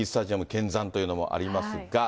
けんざんというのもありますが。